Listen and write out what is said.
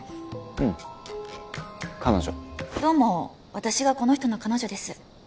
うん彼女どうも私がこの人の彼女です